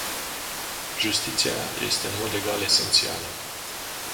Justiția este în mod egal esențială.